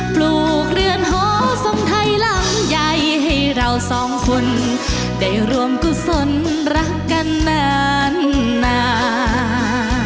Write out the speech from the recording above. ปลูกเรือนหอทรงไทยหลังใหญ่ให้เราสองคนได้รวมกุศลรักกันนาน